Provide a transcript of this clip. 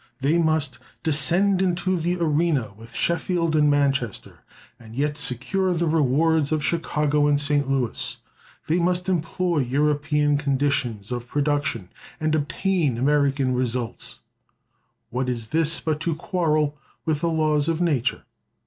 They must descend into the arena with Sheffield and Manchester, and yet secure the rewards of Chicago and St. Louis. They must employ European conditions of production, and obtain American results. What is this but to quarrel with the laws of nature?